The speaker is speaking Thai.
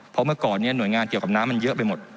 เพราะเมื่อก่อนเนี่ยหน่วยงานเกี่ยวกับน้ำมันเยอะไปหมด